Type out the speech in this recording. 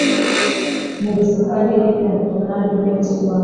mu Bisakari ni Netanēli mwene Suwari